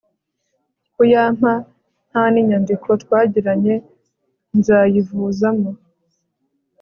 kuyampa ntaninyandiko twagiranye nzayivuzamo